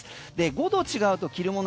５度違うと着るもの